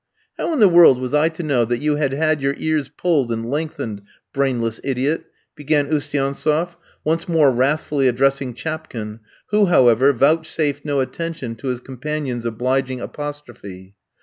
"How in the world was I to know you had had your ears pulled and lengthened, brainless idiot?" began Oustiantsef, once more wrathfully addressing Chapkin, who, however, vouchsafed no attention to his companion's obliging apostrophe.